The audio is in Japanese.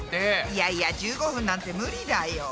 いやいや１５分なんて無理だよ。